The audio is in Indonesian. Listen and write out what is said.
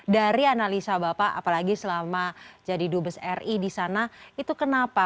dari analisa bapak apalagi selama jadi dubes ri di sana itu kenapa